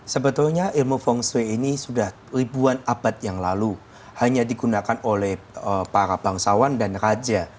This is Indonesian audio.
sebetulnya ilmu feng shui ini sudah ribuan abad yang lalu hanya digunakan oleh para bangsawan dan raja